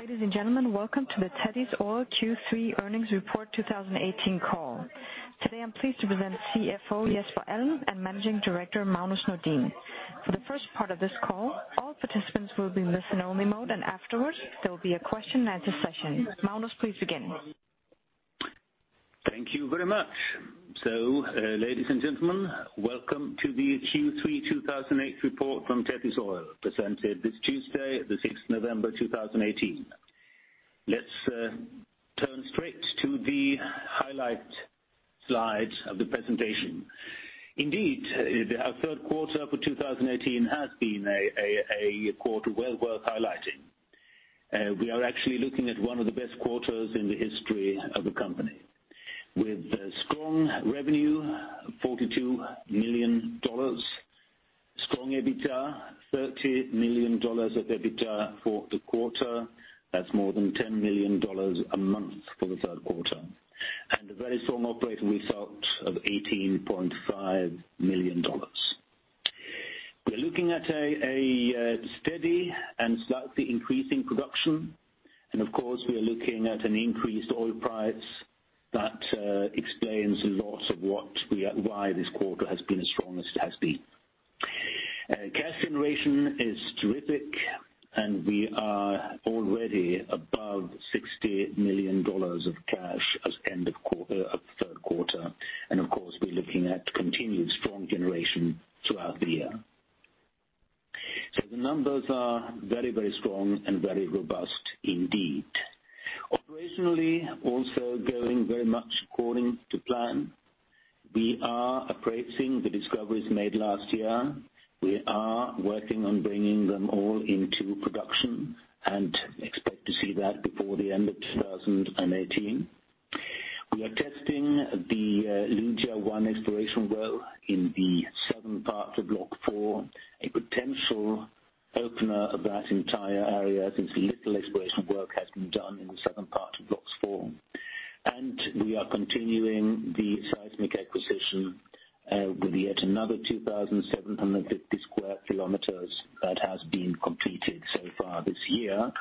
Ladies and gentlemen, welcome to the Tethys Oil Q3 earnings report 2018 call. Today, I am pleased to present CFO Jesper Alms and Managing Director Magnus Nordin. For the first part of this call, all participants will be in listen-only mode. Afterwards, there will be a question and answer session. Magnus, please begin. Thank you very much. Ladies and gentlemen, welcome to the Q3 2018 report from Tethys Oil, presented this Tuesday, the 6th November 2018. Let us turn straight to the highlight slides of the presentation. Indeed, our third quarter for 2018 has been a quarter well worth highlighting. We are actually looking at one of the best quarters in the history of the company. With strong revenue, $42 million. Strong EBITDA, $30 million of EBITDA for the quarter. That is more than $10 million a month for the third quarter. A very strong operating result of $18.5 million. We are looking at a steady and slightly increasing production. Of course, we are looking at an increased oil price that explains a lot of why this quarter has been as strong as it has been. Cash generation is terrific. We are already above $60 million of cash as end of third quarter. Of course, we are looking at continued strong generation throughout the year. The numbers are very strong and very robust indeed. Operationally, also going very much according to plan. We are appraising the discoveries made last year. We are working on bringing them all into production and expect to see that before the end of 2018. We are testing the Luja-1 exploration well in the southern part of Block 4, a potential opener of that entire area, since little exploration work has been done in the southern part of Blocks 4. We are continuing the seismic acquisition with yet another 2,750 square kilometers that has been completed so far this year.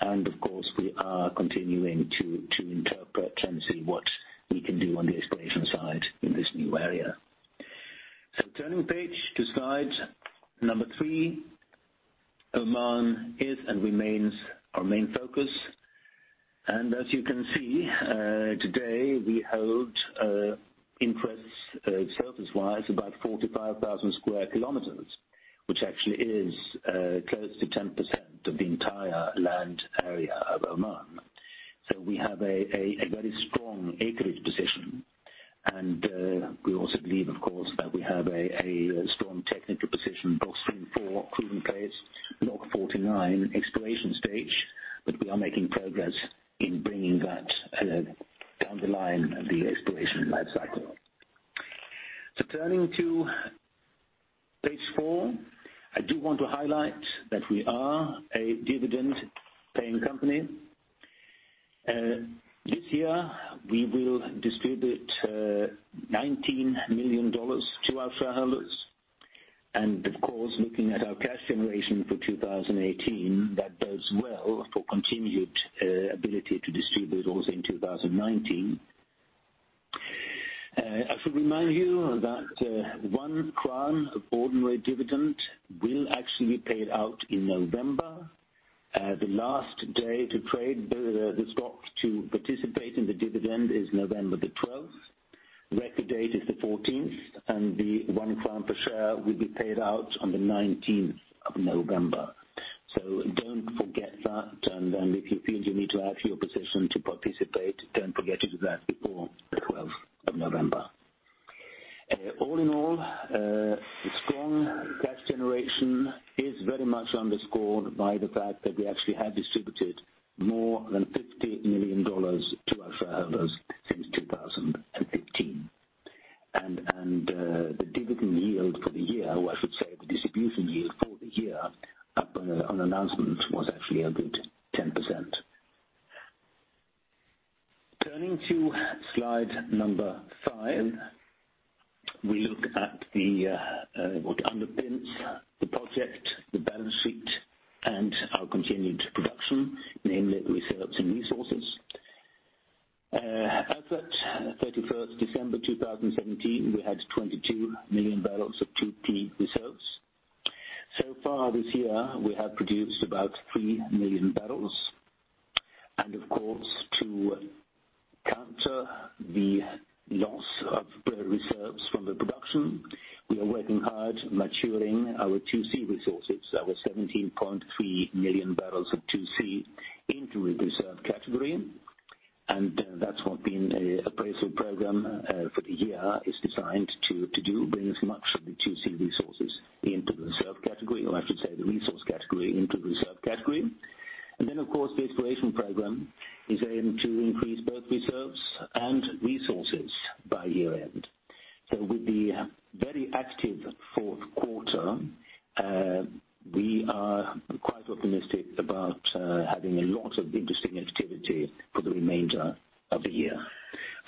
Of course, we are continuing to interpret and see what we can do on the exploration side in this new area. Turning page to slide number three. Oman is and remains our main focus. As you can see, today, we hold interests surface-wise about 45,000 square kilometers, which actually is close to 10% of the entire land area of Oman. We have a very strong acreage position. We also believe, of course, that we have a strong technical position, Blocks 3 and 4 proven place, Block 49 exploration stage, that we are making progress in bringing that down the line of the exploration life cycle. Turning to page four. I do want to highlight that we are a dividend-paying company. This year, we will distribute $19 million to our shareholders. Of course, looking at our cash generation for 2018, that does well for continued ability to distribute also in 2019. I should remind you that 1 crown of ordinary dividend will actually be paid out in November. The last day to trade the stock to participate in the dividend is November 12th. Record date is 14th, and the 1 crown per share will be paid out on November 19th. Don't forget that. If you feel you need to have your position to participate, don't forget to do that before November 12th. All in all, strong cash generation is very much underscored by the fact that we actually have distributed more than $50 million to our shareholders since 2015. The dividend yield for the year, or I should say, the distribution yield for the year on announcement was actually a good 10%. Turning to slide number five. We look at what underpins the project, the balance sheet, and our continued production, namely reserves and resources. As at December 31st, 2017, we had 22 million barrels of 2P reserves. So far this year, we have produced about three million barrels. Of course, to counter the loss of reserves from the production, we are working hard maturing our 2C resources, our 17.3 million barrels of 2C into a reserve category. That's what being appraisal program for the year is designed to do, bring as much of the 2C resources into the reserve category, or I should say, the resource category into the reserve category. Of course, the exploration program is aimed to increase both reserves and resources by year-end. With the very active fourth quarter, we are quite optimistic about having a lot of interesting activity for the remainder of the year.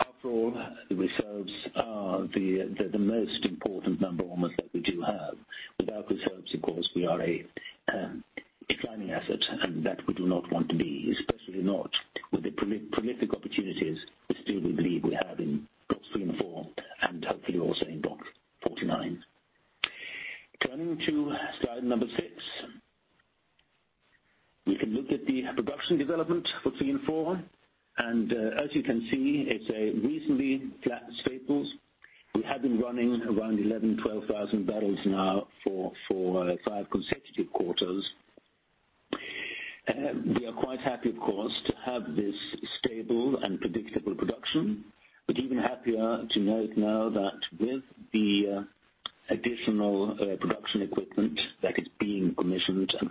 After all, the reserves are the most important number almost that we do have. Without reserves, of course, we are a declining asset, and that we do not want to be, especially not with the prolific opportunities we still believe we have in Blocks 3 and 4 and hopefully also in Block 49. Turning to slide number six. We can look at the production development for 3 and 4. As you can see, it's a reasonably flat staples. We have been running around 11,000, 12,000 barrels now for five consecutive quarters. We are quite happy, of course, to have this stable and predictable production, but even happier to note now that with the additional production equipment that is being commissioned and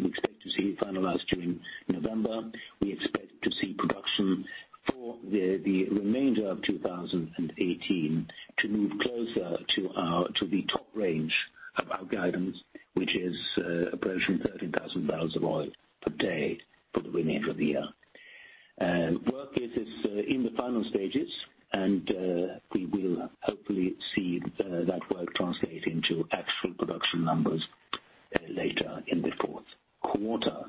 we expect to see finalized during November. We expect to see production for the remainder of 2018 to move closer to the top range of our guidance, which is approaching 13,000 barrels of oil per day for the remainder of the year. Work is in the final stages, and we will hopefully see that work translate into actual production numbers later in the fourth quarter.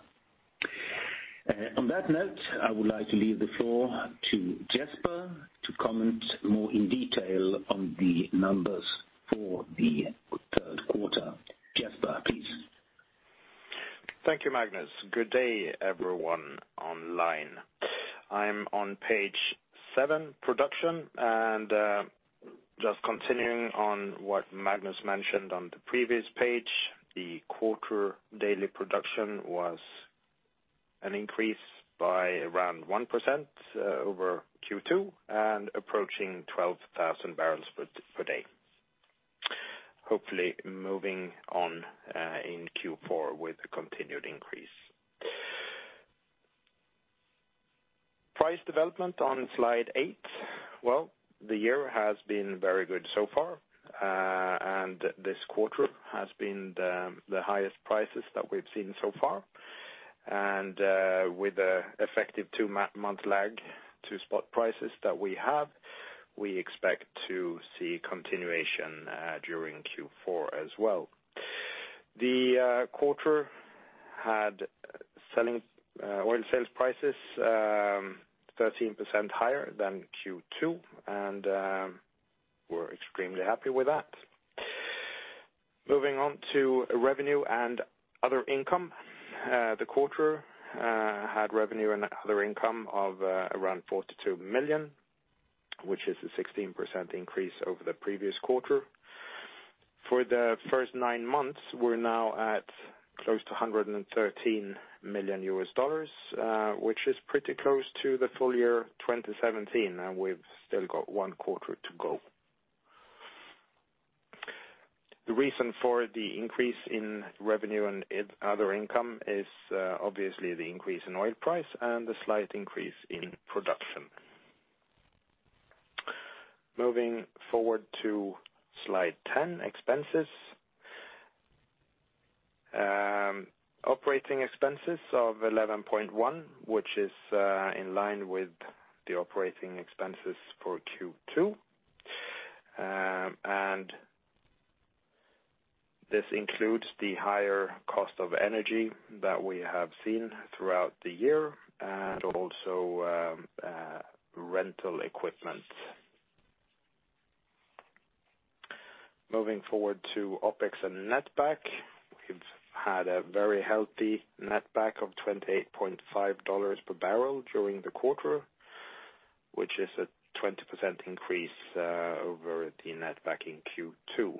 On that note, I would like to leave the floor to Jesper to comment more in detail on the numbers for the third quarter. Jesper, please. Thank you, Magnus. Good day everyone online. I'm on page seven, production, and just continuing on what Magnus mentioned on the previous page. The quarter daily production was an increase by around 1% over Q2 and approaching 12,000 barrels per day. Hopefully moving on in Q4 with a continued increase. Price development on slide eight. Well, the year has been very good so far. This quarter has been the highest prices that we've seen so far. With an effective two-month lag, two spot prices that we have, we expect to see continuation during Q4 as well. The quarter had oil sales prices 13% higher than Q2, and we're extremely happy with that. Moving on to revenue and other income. The quarter had revenue and other income of around $42 million, which is a 16% increase over the previous quarter. For the first nine months, we're now at close to $113 million, which is pretty close to the full year 2017, and we've still got one quarter to go. The reason for the increase in revenue and other income is obviously the increase in oil price and the slight increase in production. Moving forward to slide 10, expenses. Operating expenses of $11.1, which is in line with the operating expenses for Q2. This includes the higher cost of energy that we have seen throughout the year and also rental equipment. Moving forward to OpEx and netback. We've had a very healthy netback of $28.5 per barrel during the quarter, which is a 20% increase over the netback in Q2.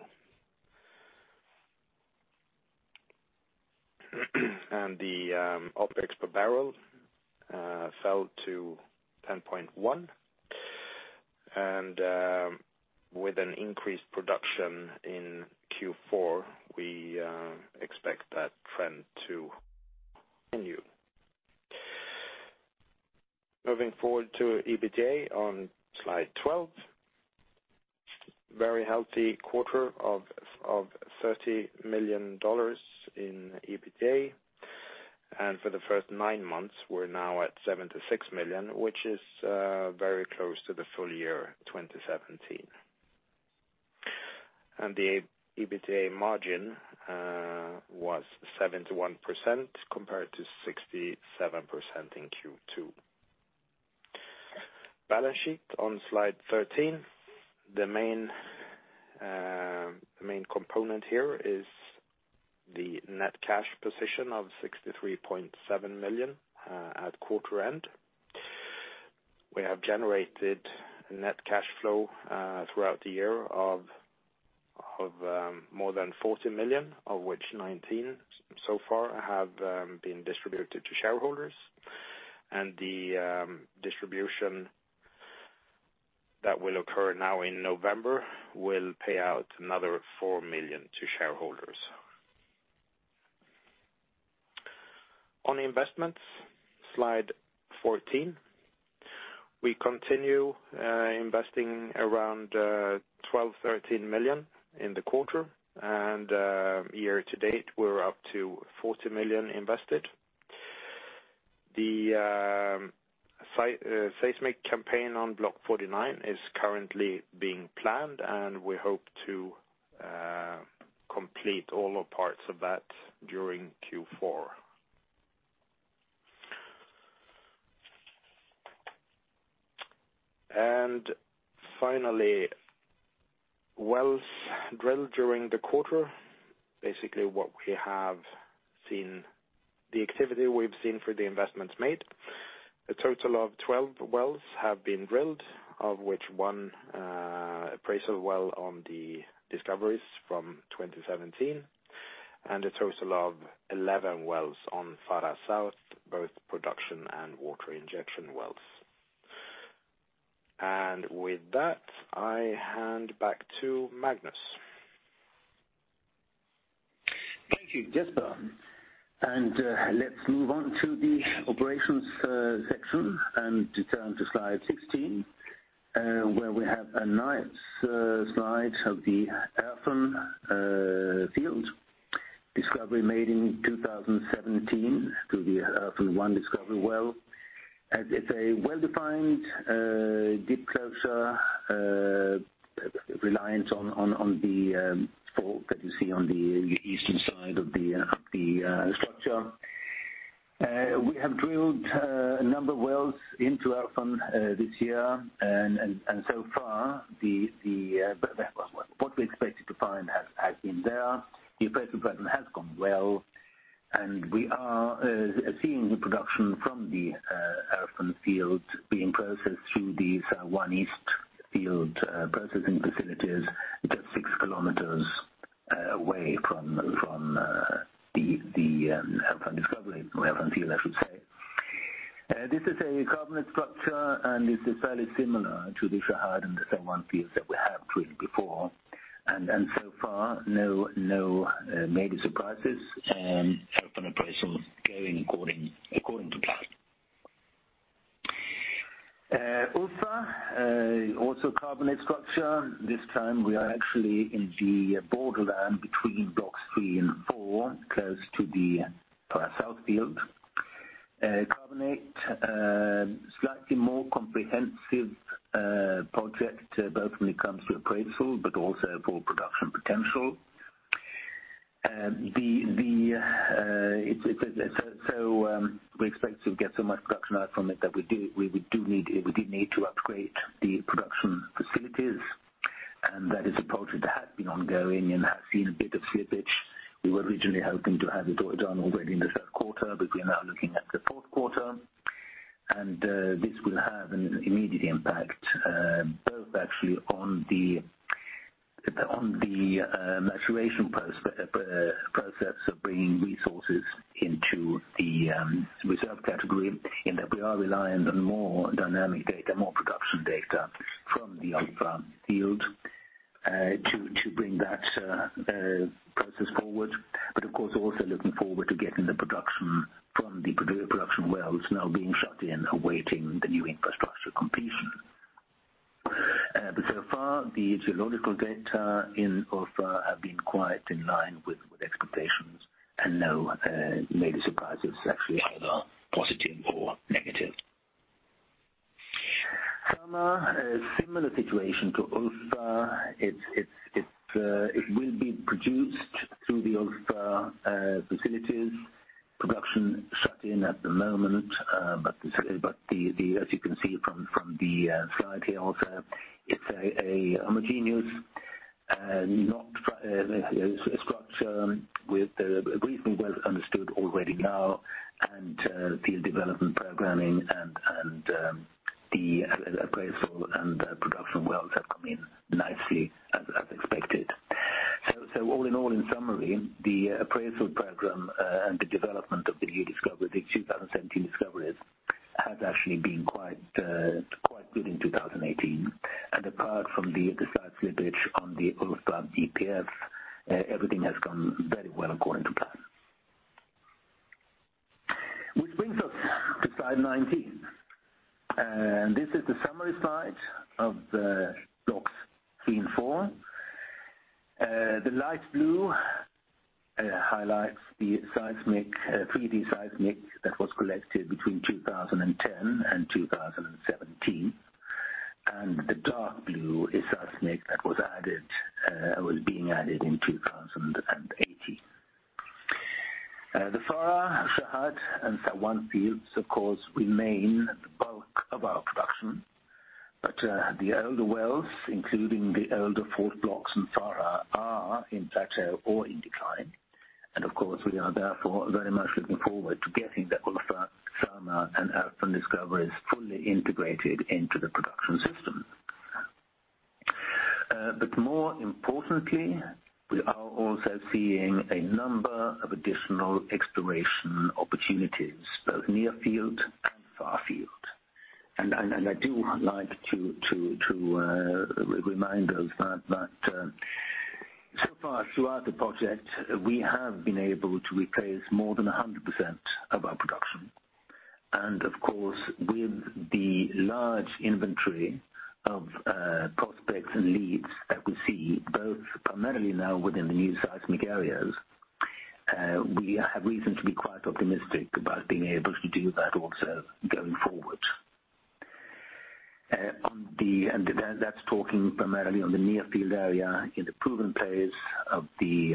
The OpEx per barrel fell to $10.1. With an increased production in Q4, we expect that trend to continue. Moving forward to EBITDA on slide 12. Very healthy quarter of $30 million in EBITDA. For the first nine months, we're now at $76 million, which is very close to the full year 2017. The EBITDA margin was 71% compared to 67% in Q2. Balance sheet on slide 13. The main component here is the net cash position of $63.7 million at quarter end. We have generated net cash flow throughout the year of more than $40 million, of which $19 million so far have been distributed to shareholders. The distribution that will occur now in November will pay out another $4 million to shareholders. On investments, slide 14. We investing around $12 million-$13 million in the quarter. Year to date, we're up to $40 million invested. The seismic campaign on Block 49 is currently being planned, and we hope to complete all parts of that during Q4. Finally, wells drilled during the quarter. Basically, what we have seen, the activity we've seen for the investments made. A total of 12 wells have been drilled, of which one appraisal well on the discoveries from 2017, and a total of 11 wells on Farha South, both production and water injection wells. With that, I hand back to Magnus. Thank you, Jesper. Let's move on to the operations section, turn to slide 16, where we have a nice slide of the Erfan field discovery made in 2017 through the Erfan-1 discovery well. It is a well-defined deep closure reliant on the fault that you see on the eastern side of the structure. We have drilled a number of wells into Erfan this year, so far, what we expected to find has been there. The appraisal program has gone well, we are seeing the production from the Erfan field being processed through the Saiwan East field processing facilities just 6 km away from the Erfan discovery. Erfan field, I should say. This is a carbonate structure, this is fairly similar to the Shahd and the Saiwan fields that we have drilled before. So far, no major surprises, Erfan appraisal is going according to plan. Ulfa, also a carbonate structure. This time we are actually in the borderland between Blocks 3 and 4, close to the Farha South field. Carbonate, slightly more comprehensive project, both when it comes to appraisal but also for production potential. We expect to get so much production out from it that we do need to upgrade the production facilities, that is a project that has been ongoing and has seen a bit of slippage. We were originally hoping to have it all done already in the third quarter, but we are now looking at the fourth quarter. This will have an immediate impact, both actually on the maturation process of bringing resources into the reserve category, in that we are reliant on more dynamic data, more production data from the Ulfa field to bring that process forward. Of course, also looking forward to getting the production from the production wells now being shut in, awaiting the new infrastructure completion. So far, the geological data in Ulfa have been quite in line with expectations, no major surprises actually, either positive or negative. Samha, a similar situation to Ulfa. It will be produced through the Ulfa facilities. Production shut in at the moment. As you can see from the slide here also, it is a homogeneous structure reasonably well understood already now. The field development programming, the appraisal and production wells have come in nicely, as expected. All in all, in summary, the appraisal program, the development of the new discovery, the 2017 discoveries, has actually been quite good in 2018. Apart from the slight slippage on the Ulfa EPF, everything has gone very well according to plan. Which brings us to slide 19. This is the summary slide of the Blocks 3 and 4. The light blue highlights the 3D seismic that was collected between 2010 and 2017. The dark blue is seismic that was being added in 2018. The Farha, Shahd, and Saiwan fields, of course, remain the bulk of our production. The older wells, including the older fault blocks in Farha, are in plateau or in decline. Of course, we are therefore very much looking forward to getting the Ulfa, Samha, and Erfan discoveries fully integrated into the production system. More importantly, we are also seeing a number of additional exploration opportunities, both near-field and far-field. I do like to remind us that so far throughout the project, we have been able to replace more than 100% of our production. Of course, with the large inventory of prospects and leads that we see, both primarily now within the new seismic areas, we have reason to be quite optimistic about being able to do that also going forward. That's talking primarily on the near-field area in the proven plays of the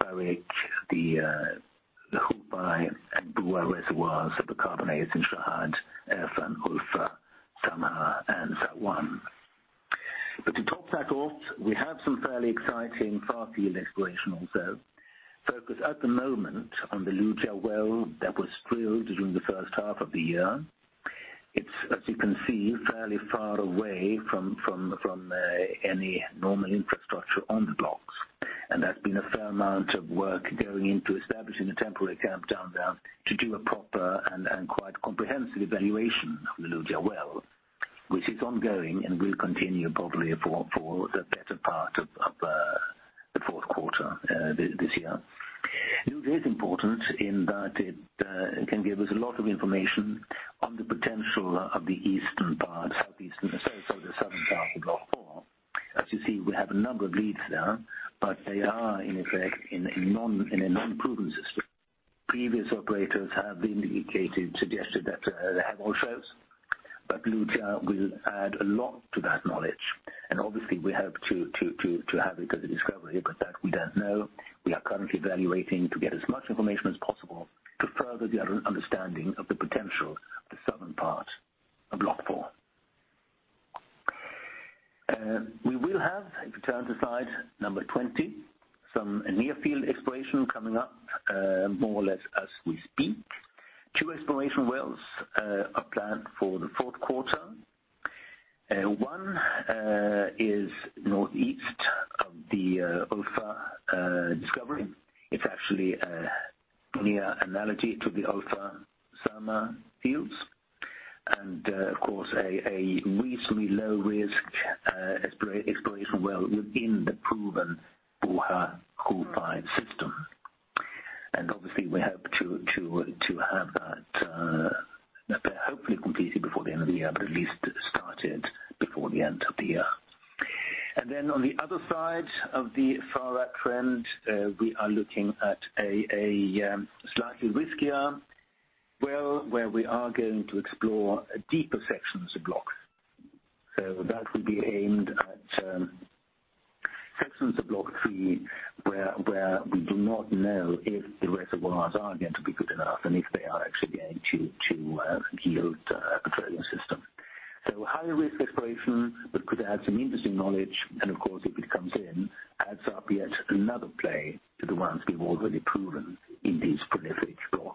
Barik, the Khuff B and Buah reservoirs of the carbonates in Shahd, Erfan, Ulfa, Samha, and Saiwan. To top that off, we have some fairly exciting far field exploration also. Focused at the moment on the Luja well that was drilled during the first half of the year. It's, as you can see, fairly far away from any normal infrastructure on the blocks. There's been a fair amount of work going into establishing a temporary camp down there to do a proper and quite comprehensive evaluation of the Luja well, which is ongoing and will continue probably for the better part of the fourth quarter this year. Luja is important in that it can give us a lot of information on the potential of the eastern part, southeastern, sorry, the southern part of Block 4. As you see, we have a number of leads there, but they are, in effect, in a non-proven system. Previous operators have indicated, suggested that they have oil shows, but Luja will add a lot to that knowledge. Obviously, we hope to have it as a discovery, but that we don't know. We are currently evaluating to get as much information as possible to further the understanding of the potential of the southern part of Block 4. We will have, if you turn to slide 20, some near-field exploration coming up, more or less as we speak. Two exploration wells are planned for the fourth quarter. One is northeast of the Ulfa discovery. It's actually a near analogy to the Ulfa, Samha fields. Of course, a reasonably low risk exploration well within the proven Buah, Khuff B system. Obviously, we hope to have that, hopefully, completely before the end of the year, but at least started before the end of the year. Then on the other side of the Farak trend, we are looking at a slightly riskier well, where we are going to explore deeper sections of blocks. That would be aimed at sections of Block 3, where we do not know if the reservoirs are going to be good enough and if they are actually going to yield a petroleum system. Higher risk exploration, but could add some interesting knowledge, and of course, if it comes in, adds up yet another play to the ones we've already proven in these prolific Blocks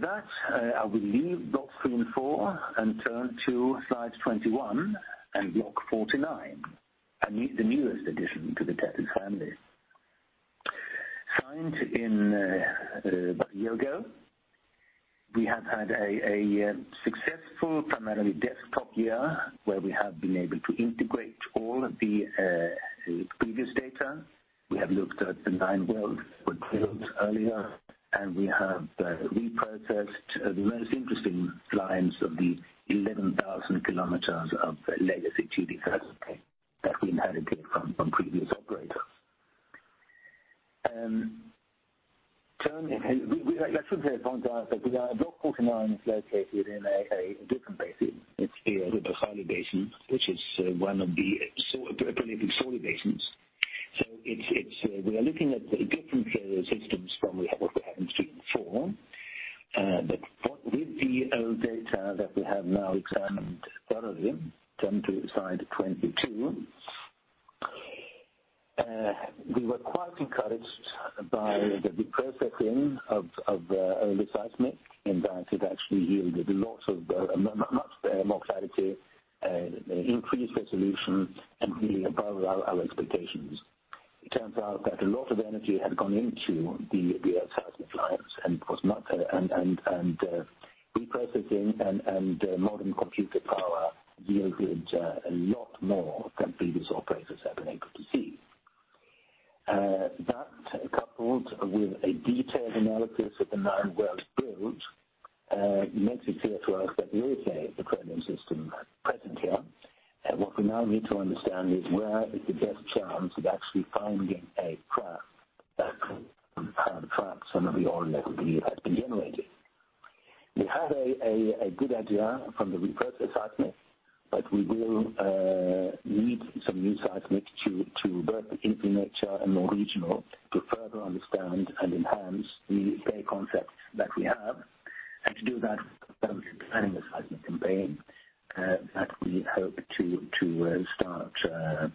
3 and 4. With that, I will leave Blocks 3 and 4 and turn to slide 21 and Block 49, the newest addition to the Tethys family. Signed in, about a year ago. We have had a successful, primarily desktop year, where we have been able to integrate all of the previous data. We have looked at the nine wells that were drilled earlier. We have reprocessed the most interesting lines of the 11,000 kilometers of legacy 2D seismic that we inherited from previous operators. I should probably point out that Block 49 is located in a different basin. It is the Rub al-Khali basin, which is one of the prolific sort of basins. So we are looking at different systems from what we have in Blocks 3 and 4. But with the old data that we have now examined thoroughly, turn to slide 22. We were quite encouraged by the reprocessing of the early seismic in that it actually yielded much more clarity, increased resolution, and really above our expectations. It turns out that a lot of energy had gone into the seismic lines and reprocessing and modern computer power yielded a lot more than previous operators have been able to see. That, coupled with a detailed analysis of the nine wells drilled, makes it clear to us that there is a petroleum system present here. What we now need to understand is where is the best chance of actually finding a trap, a hard trap, so that we know the oil has been generated. We have a good idea from the repurposed seismic, but we will need some new seismic to both infill nature and more regional to further understand and enhance the play concepts that we have. To do that, we are currently planning a seismic campaign that we hope to start. Well,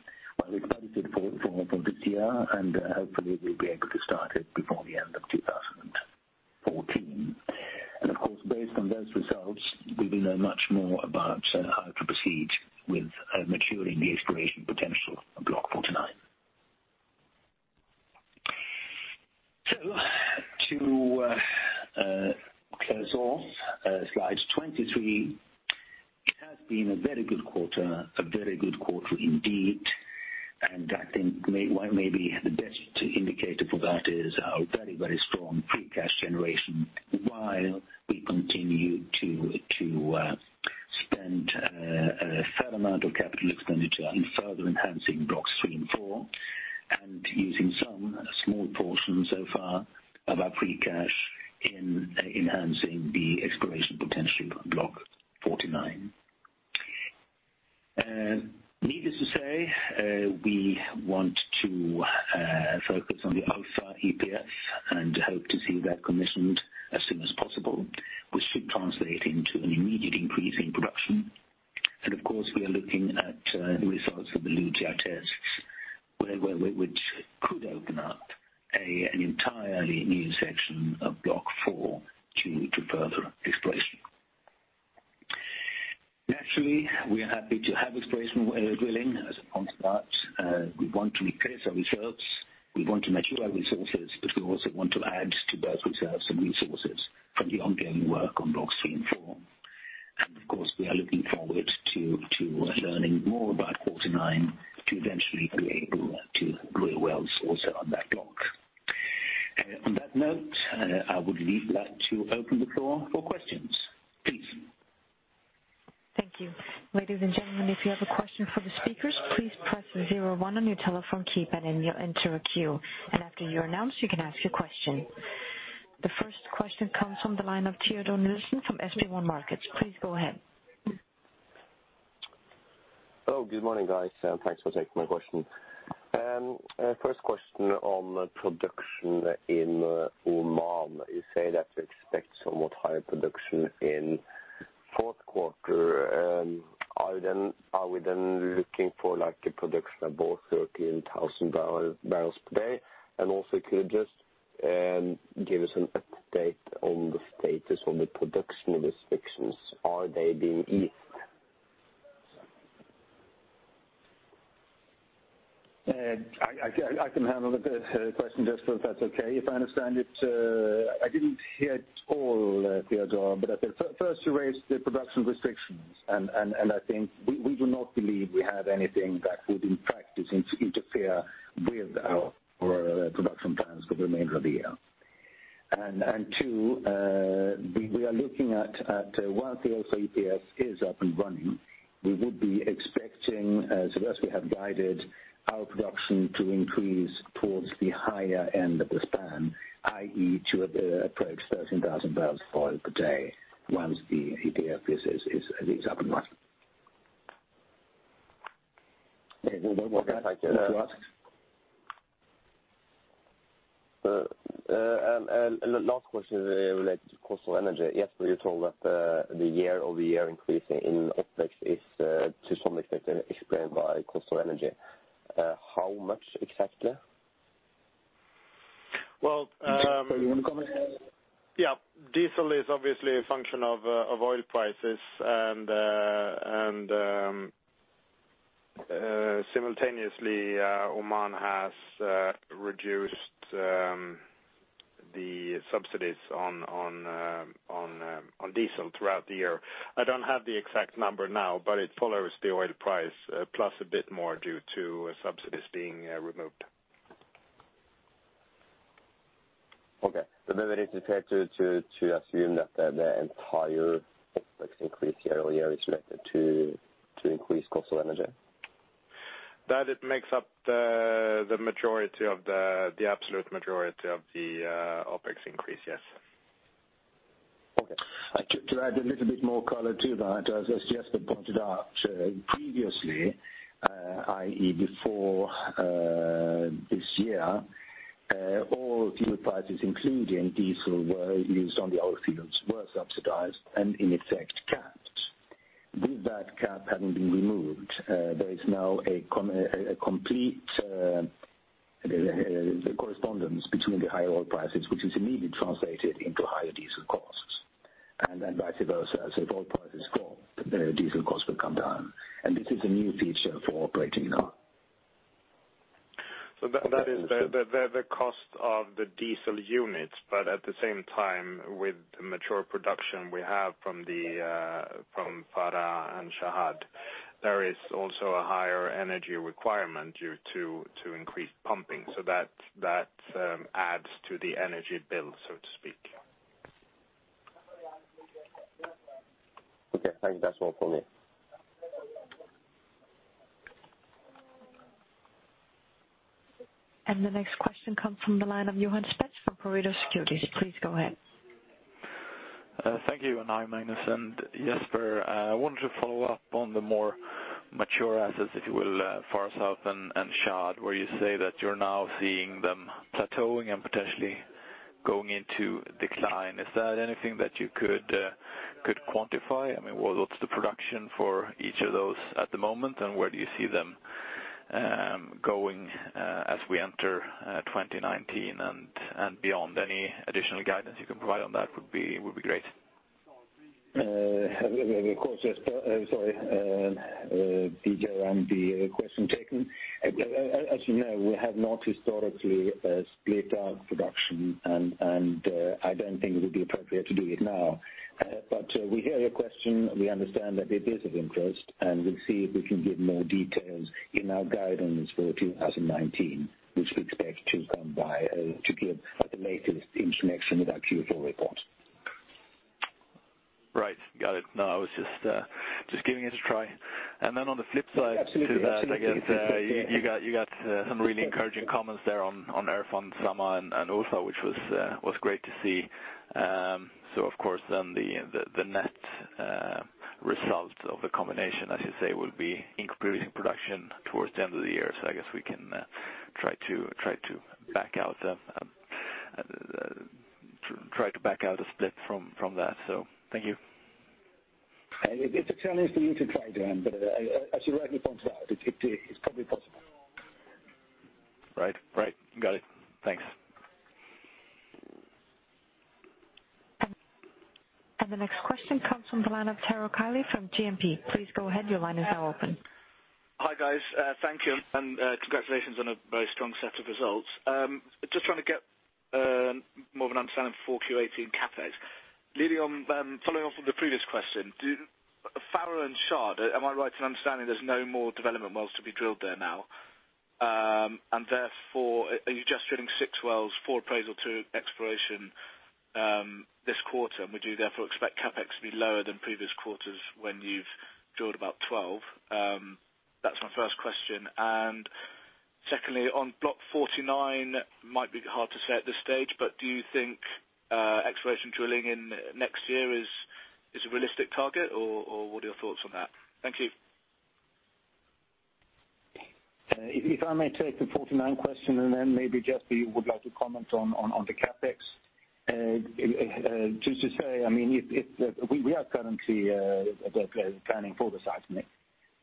we budgeted for it this year, and hopefully, we will be able to start it before the end of 2014. Based on those results, we will know much more about how to proceed with maturing the exploration potential of Block 49. To close off slide 23, it has been a very good quarter indeed. I think maybe the best indicator for that is our very strong free cash generation, while we continue to spend a fair amount of capital expenditure in further enhancing Blocks 3 and 4, and using some small portion so far of our free cash in enhancing the exploration potential for Block 49. Needless to say, we want to focus on the Ulfa EPF and hope to see that commissioned as soon as possible, which should translate into an immediate increase in production. We are looking at the results of the luja tests, which could open up an entirely new section of Block 4 to further exploration. Naturally, we are happy to have exploration drilling as a counterpart. We want to replace our reserves, we want to mature our resources, but we also want to add to both reserves and resources from the ongoing work on Blocks 3 and 4. We are looking forward to learning more about 49 to eventually be able to drill wells also on that block. On that note, I would be glad to open the floor for questions. Please. Thank you. Ladies and gentlemen, if you have a question for the speakers, please press 01 on your telephone keypad and you'll enter a queue. After you're announced, you can ask your question. The first question comes from the line of Teodor Sveen-Nilsen from SP1 Markets. Please go ahead. Hello. Good morning, guys. Thanks for taking my question. First question on production in Oman. You say that you expect somewhat higher production in fourth quarter. Are we then looking for the production of both 13,000 barrels per day? Also, could you just give us an update on the status of the production restrictions? Are they being eased? I can handle the question, Jesper, if that's okay. If I understand it, I didn't hear it all, Teodor, I think first you raised the production restrictions, I think we do not believe we have anything that would, in practice, interfere with our production plans for the remainder of the year. Two, we are looking at once the Ulfa EPF is up and running, we would be expecting, as we have guided our production to increase towards the higher end of the span, i.e., to approach 13,000 barrels of oil per day once the EPF is up and running. Teodor, was that what you asked? Okay, thank you. Last question related to cost of energy. Jesper, you told that the year-over-year increase in OpEx is to some extent explained by cost of energy. How much exactly? Well- Jesper, you want to comment? Yeah. Diesel is obviously a function of oil prices and simultaneously, Oman has reduced the subsidies on diesel throughout the year. I don't have the exact number now, but it follows the oil price, plus a bit more due to subsidies being removed. Okay. It is fair to assume that the entire OpEx increase year-over-year is related to increased cost of energy? That makes up the absolute majority of the OpEx increase, yes. Okay. To add a little bit more color to that, as Jesper pointed out previously, i.e., before this year, all fuel prices, including diesel, used on the oil fields were subsidized and in effect, capped. With that cap having been removed, there is now a complete correspondence between the higher oil prices, which is immediately translated into higher diesel costs. Then vice versa, as if oil prices drop, the diesel costs will come down. This is a new feature for operating now. That is the cost of the diesel units. At the same time, with the mature production we have from Farha and Shahd, there is also a higher energy requirement due to increased pumping. That adds to the energy bill, so to speak. Okay, thank you. That's all for me. The next question comes from the line of Johan Spetz from Pareto Securities. Please go ahead. Thank you. Hi, Magnus and Jesper. I wanted to follow up on the more mature assets, if you will, Farha South and Shahd, where you say that you're now seeing them plateauing and potentially going into decline. Is that anything that you could quantify? I mean, what's the production for each of those at the moment, and where do you see them going as we enter 2019 and beyond? Any additional guidance you can provide on that would be great. Of course, Jesper. Sorry, detail on the question taken. As you know, we have not historically split out production. I don't think it would be appropriate to do it now. We hear your question, we understand that it is of interest. We'll see if we can give more details in our guidance for 2019, which we expect to come by, to give at the latest in connection with our Q4 report. Right. Got it. No, I was just giving it a try. Then on the flip side. Absolutely You got some really encouraging comments there on Erfan, Samha, and Ulfa, which was great to see. Of course, the net result of the combination, as you say, will be increasing production towards the end of the year. I guess we can try to back out a split from that. Thank you. It's a challenge for you to try, Johan, but as you rightly point out, it's probably possible. Right. Got it. Thanks. The next question comes from the line of Taro Kylie from GMP. Please go ahead. Your line is now open. Hi, guys. Thank you, and congratulations on a very strong set of results. Just trying to get more of an understanding 4Q 2018 CapEx. Following off of the previous question, Farha and Shahd, am I right in understanding there's no more development wells to be drilled there now? Therefore, are you just drilling six wells for appraisal two exploration this quarter, and would you therefore expect CapEx to be lower than previous quarters when you've drilled about 12? That's my first question. Secondly, on block 49, might be hard to say at this stage, but do you think exploration drilling in next year is a realistic target, or what are your thoughts on that? Thank you. If I may take the block 49 question, then maybe Jesper, you would like to comment on the CapEx. Just to say, we are currently planning for the seismic.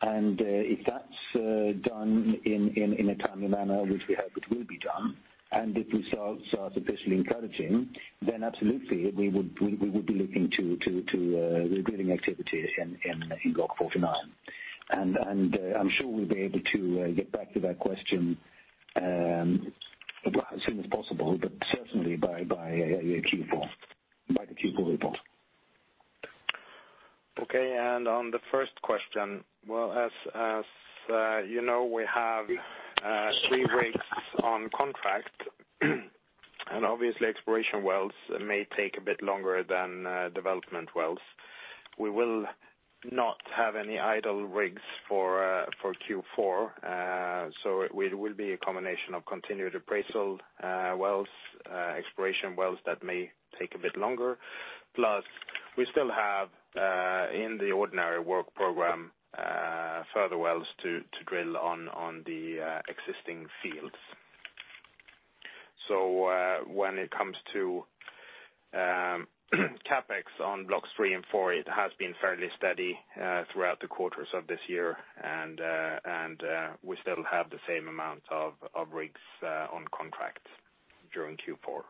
If that's done in a timely manner, which we hope it will be done, if the results are sufficiently encouraging, then absolutely, we would be looking to rebuilding activities in block 49. I'm sure we'll be able to get back to that question as soon as possible, but certainly by the Q4 report. Okay, on the first question, well, as you know, we have three rigs on contract, obviously exploration wells may take a bit longer than development wells. We will not have any idle rigs for Q4. It will be a combination of continued appraisal wells, exploration wells that may take a bit longer. Plus, we still have in the ordinary work program, further wells to drill on the existing fields. When it comes to CapEx on Blocks 3 and 4, it has been fairly steady throughout the quarters of this year, we still have the same amount of rigs on contract during Q4.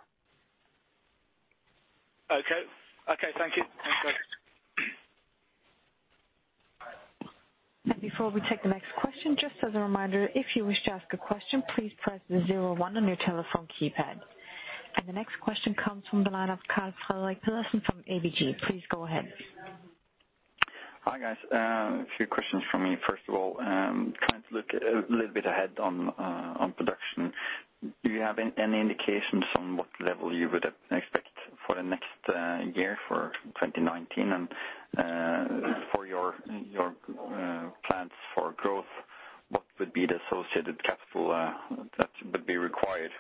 Okay. Thank you. Before we take the next question, just as a reminder, if you wish to ask a question, please press the zero one on your telephone keypad. The next question comes from the line of Karl Fredrik Pedersen from ABG. Please go ahead. Hi, guys. A few questions from me. First of all, trying to look a little bit ahead on production. Do you have any indications on what level you would expect for the next year, for 2019? For your plans for growth, what would be the associated capital that would be required?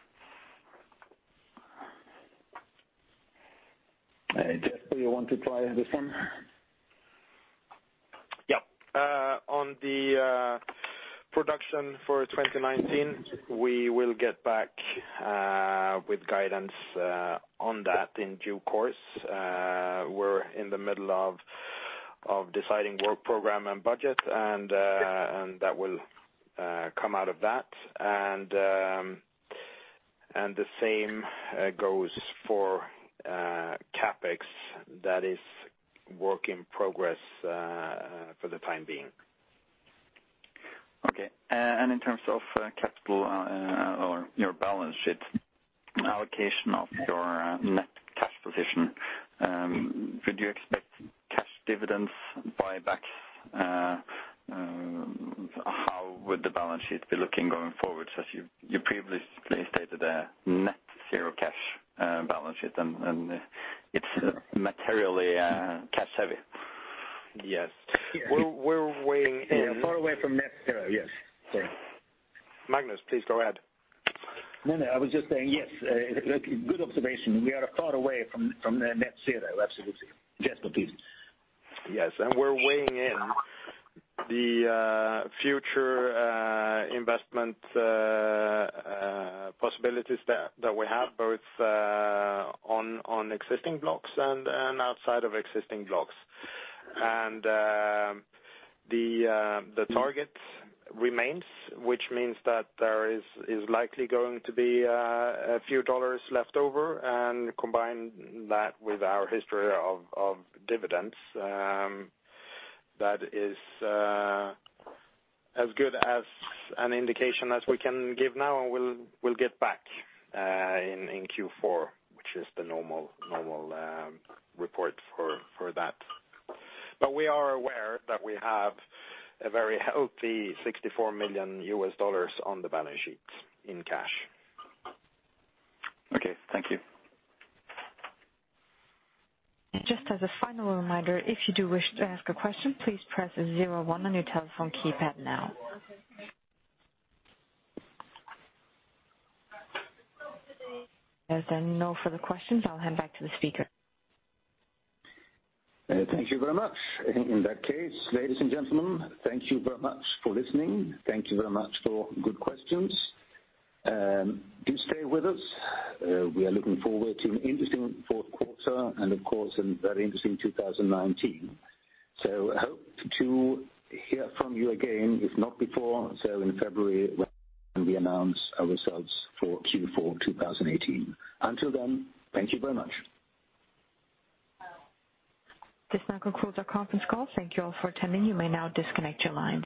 Jesper, you want to try this one? Yep. On the production for 2019, we will get back with guidance on that in due course. We're in the middle of deciding work program and budget, and that will come out of that. The same goes for CapEx. That is work in progress for the time being. Okay. In terms of capital or your balance sheet allocation of your net cash position, would you expect cash dividends, buybacks? How would the balance sheet be looking going forward, since you previously stated a net zero cash balance sheet and it's materially cash heavy. Yes. We're way- Far away from net zero, yes. Sorry. Magnus, please go ahead. No, I was just saying yes, good observation. We are far away from the net zero. Absolutely. Jesper, please. Yes, we're weighing in the future investment possibilities that we have, both on existing blocks and outside of existing blocks. The target remains, which means that there is likely going to be a few dollars left over. Combine that with our history of dividends. That is as good as an indication as we can give now, and we'll get back in Q4, which is the normal report for that. We are aware that we have a very healthy $64 million on the balance sheet in cash. Okay. Thank you. Just as a final reminder, if you do wish to ask a question, please press zero one on your telephone keypad now. As there are no further questions, I'll hand back to the speaker. Thank you very much. In that case, ladies and gentlemen, thank you very much for listening. Thank you very much for good questions. Do stay with us. We are looking forward to an interesting fourth quarter and of course, a very interesting 2019. Hope to hear from you again, if not before, in February when we announce our results for Q4 2018. Until then, thank you very much. This now concludes our conference call. Thank you all for attending. You may now disconnect your lines.